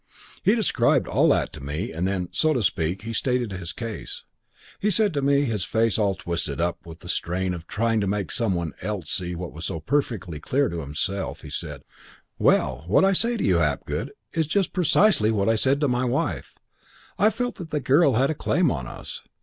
"He described all that to me and then, so to speak, he stated his case. He said to me, his face all twisted up with the strain of trying to make some one else see what was so perfectly clear to himself, he said, 'Well, what I say to you, Hapgood, is just precisely what I said to my wife. I felt that the girl had a claim on us.